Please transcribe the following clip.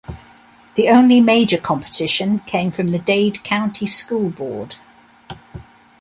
The only major competition came from the Dade County School Board.